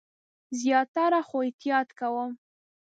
زیاتره، خو احتیاط کوم